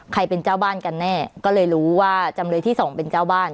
เป็นเจ้าบ้านกันแน่ก็เลยรู้ว่าจำเลยที่สองเป็นเจ้าบ้าน